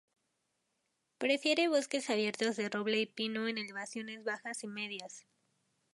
Prefiere bosques abiertos de roble y pino en elevaciones bajas y medias.